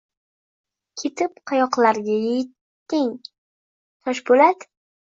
Ketib, qayoqlarga yetding, Toshpo‘lat?